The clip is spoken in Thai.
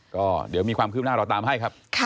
ก็เดี๋ยวมีความคืบหน้าเราตามให้ครับ